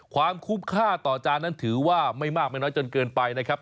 ความคุ้มค่าต่อจานนั้นถือว่าไม่มากไม่น้อยจนเกินไปนะครับ